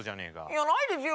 いやないですよ。